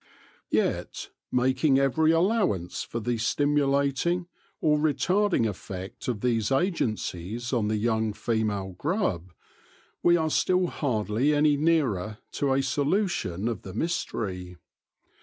Yet, making every allowance for the stimulating or retarding effect of these agencies on the young female grub, we are still hardly any nearer to a solution of the mystery.